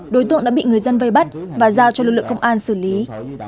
đối tượng đã bị người dân vây bắt và giao cho lực lượng công an xử lý